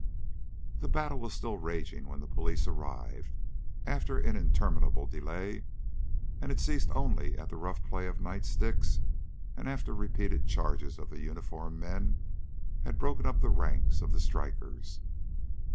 The battle was still raging when the police arrived, after an interminable delay, and it ceased only at the rough play of night sticks, and after repeated charges of the uniformed men had broken up the ranks of the strikers.